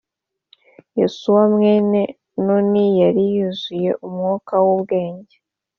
yosuwa mwene nuni yari yuzuye umwuka w’ubwenge,